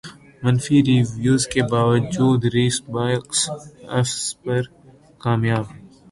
منفی ریویوز کے باوجود ریس باکس افس پر کامیاب